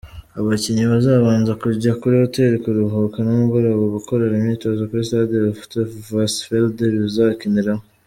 Abakinnyi bazabanza kujya kuri hoteli kuruhuka, nimugoroba gukorere imyitozo kuri Stade Loftus Versfeld bazakiniraho.